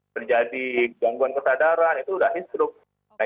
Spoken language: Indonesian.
terjadi gangguan kesadaran itu sudah heat stroke